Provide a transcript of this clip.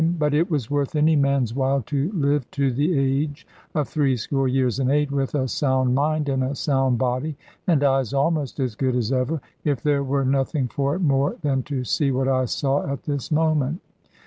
But it was worth any man's while to live to the age of threescore years and eight, with a sound mind in a sound body, and eyes almost as good as ever, if there were nothing for it more than to see what I saw at this moment.